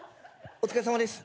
お疲れさまです。